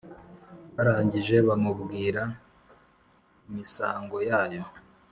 Barangije bamubwira imisango yayo.